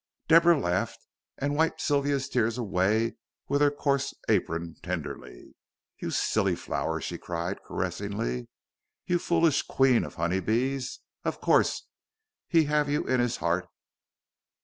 Deborah laughed and wiped Sylvia's tears away with her coarse apron, tenderly. "You silly flower," she cried caressingly; "you foolish queen of 'oney bees, of course he have you in his 'eart.